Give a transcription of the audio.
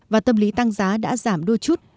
và tâm lý tăng giá đã giảm đua chút